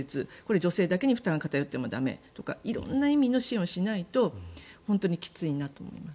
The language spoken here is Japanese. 女性だけに負担が偏っても駄目とか色んな意味の支援をしないと本当にきついなと思います。